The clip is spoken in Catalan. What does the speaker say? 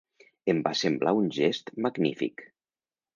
Em va semblar un gest magnífic.